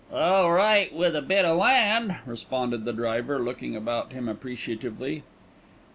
"All right with a bit o' land," responded the driver, looking about him appreciatively.